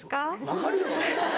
分かるよ。